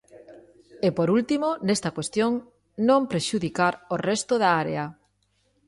E por último, nesta cuestión, non prexudicar o resto da área.